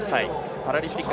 パラリンピック